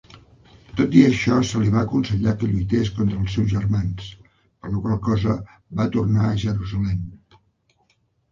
Tot i això, se li va aconsellar que lluités contra els seus germans, per la qual cosa va tornar a Jerusalem.